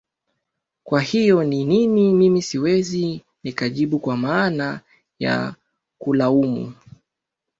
kwa hiyo ni nini mimi siwezi nikajibu kwa maana ya kulaumu